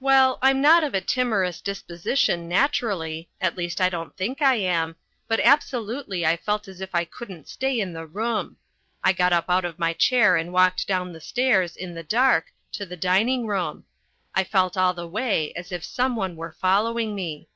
Well, I'm not of a timorous disposition naturally at least I don't think I am but absolutely I felt as if I couldn't stay in the room. I got up out of my chair and walked down the stairs, in the dark, to the dining room. I felt all the way as if some one were following me.